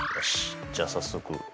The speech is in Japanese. じゃあ早速。